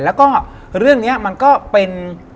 แล้วก็เรื่องนี้มันก็เป็น